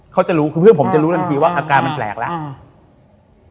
เขาจะรู้คือเพื่อนผมจะรู้ทันทีว่าอาการมันแปลกแล้ว